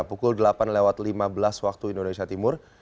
pukul delapan lewat lima belas waktu indonesia timur